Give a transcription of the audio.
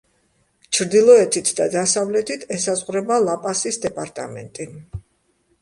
ჩრდილოეთით და დასავლეთით ესაზღვრება ლა-პასის დეპარტამენტი.